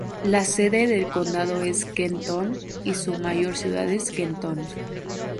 La sede del condado es Kenton, y su mayor ciudad es Kenton.